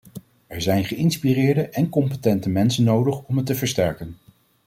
Er zijn geïnspireerde en competente mensen nodig om het te versterken.